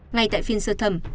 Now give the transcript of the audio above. ngay tại phiên sơ thẩm